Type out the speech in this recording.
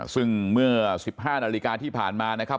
ซึ่งเมื่อ๑๕นาฬิกาที่ผ่านมานะครับ